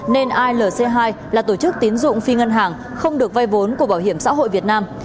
nên ilc hai là tổ chức tín dụng phi ngân hàng không được vay vốn của bảo hiểm xã hội việt nam